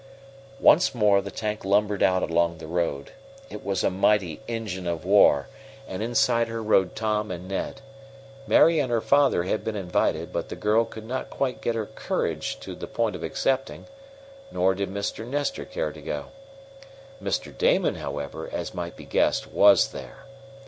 Once more the tank lumbered out along the road. It was a mighty engine of war, and inside her rode Tom and Ned. Mary and her father had been invited, but the girl could not quite get her courage to the point of accepting, nor did Mr. Nestor care to go. Mr. Damon, however, as might be guessed, was there.